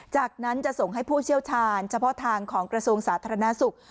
จากนั้นจะส่งให้ผู้เชี่ยวชาญเฉพาะทางของกระทรวงสาธารณสุข